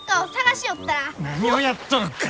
何をやっとるか！